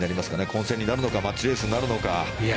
混戦になるのかマッチレースになるのか。